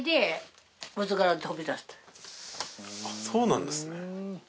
そうなんですね。